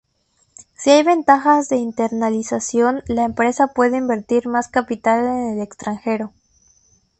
Si hay ventajas de internalización, la empresa puede invertir más capital en el extranjero.